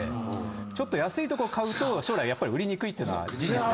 ちょっと安いとこ買うと将来売りにくいってのは事実。